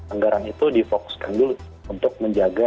anggaran itu difokuskan dulu untuk menjaga